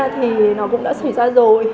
thì nó cũng đã xảy ra rồi